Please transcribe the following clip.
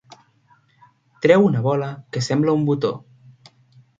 Treu una bola que sembla un botó.